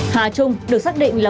hà trung được xác định là